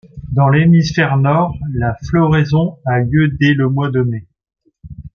Dans l'hémisphère nord, la floraison a lieu dès le mois de mai.